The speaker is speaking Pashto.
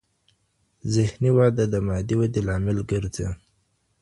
ذهني وده د مادي ودې لامل ګرځي.